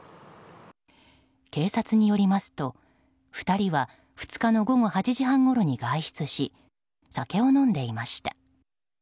警察によりますと、２人は２日の午後８時半ごろに外出し酒を飲んでいました。